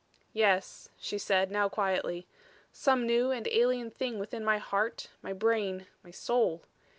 "Yes," she said, now quietly. "Some new and alien thing within my heart, my brain, my soul.